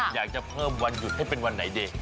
อยากจะเพิ่มวันหยุดให้เป็นวันไหนดี